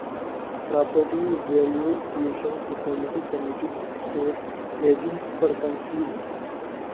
property valuation حکومتی کمیٹی کی اسٹیٹ ایجنٹس پر تنقید